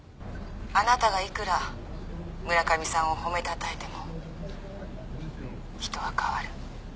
「あなたがいくら村上さんを褒めたたえても人は変わる」